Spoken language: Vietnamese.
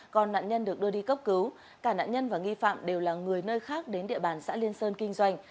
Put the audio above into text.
còn nạn nhân được đưa đi cấp cứu cả nạn nhân và nghi phạm đều là người nơi khác đến địa bàn xã liên sơn kinh doanh